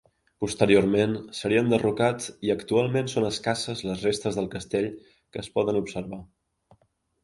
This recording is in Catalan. Posteriorment, seria enderrocat i actualment són escasses les restes del castell que es poden observar.